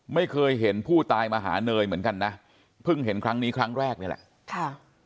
ไม่เคยเห็นผู้ตายมาหาเนยเหมือนกันนะเพิ่งเห็นครั้งนี้ครั้งแรกนี่แหละค่ะ